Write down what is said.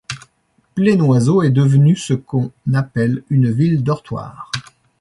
Plainoiseau est devenue ce que l'on appelle une ville-dortoir.